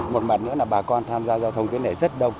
một mặt nữa là bà con tham gia giao thông cái này rất đông